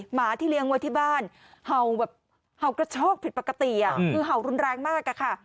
หมาที่เลี้ยงไว้ที่บ้านเห่ากระโชคผิดปกติคือเห่ารุนแรงมากค่ะ